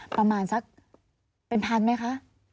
ประมาณสักเป็นพันไหมคะ